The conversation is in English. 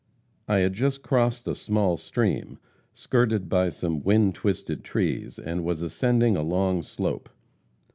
"I had just crossed a small stream, skirted by some wind twisted trees, and was ascending a long slope.